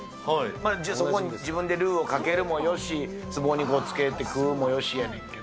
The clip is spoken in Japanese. そこに自分でルーをかけるもよし、つぼにつけて食うもよしやねんけど。